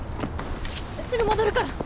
すぐ戻るから！